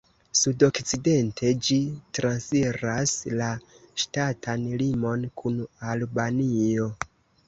Sudokcidente ĝi transiras la ŝtatan limon kun Albanio.